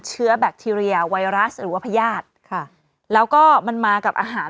แบคทีเรียไวรัสหรือว่าพญาติค่ะแล้วก็มันมากับอาหาร